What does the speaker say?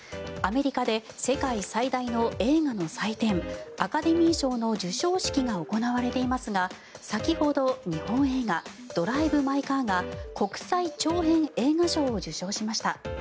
アメリカで世界最大の映画の祭典アカデミー賞の授賞式が行われていますが先ほど日本映画「ドライブ・マイ・カー」が国際長編映画賞を受賞しました。